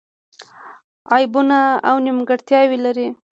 عیبونه او نیمګړتیاوې لري.